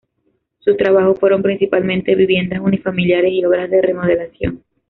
Sus trabajos fueron principalmente viviendas unifamiliares y obras de remodelación.